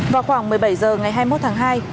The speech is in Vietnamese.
vào khoảng một mươi bảy h ngày hai mươi một tháng hai